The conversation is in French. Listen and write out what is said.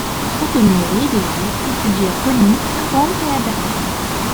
Antonio Riberi étudie à Coni, à Rome et à Bergame.